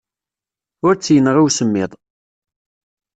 Ur tt-yenɣi usemmiḍ.